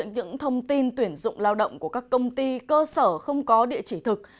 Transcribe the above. những thông tin tuyển dụng lao động của các công ty cơ sở không có địa chỉ thực